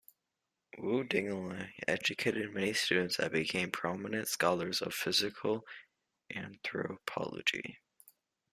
Wu Dingliang educated many students that became prominent scholars of physical anthropology.